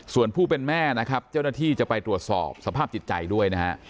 ส่วนผู้เป็นแม่นะครับเจ้าหน้าที่จะไปตรวจสอบสภาพจิตใจด้วยนะฮะ